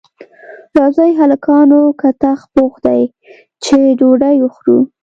راځئ هلکانو کتغ پوخ دی چې ډوډۍ وخورو